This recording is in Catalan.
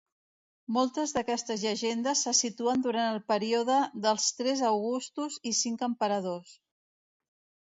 Moltes d'aquestes llegendes se situen durant el període dels tres augustos i cinc emperadors.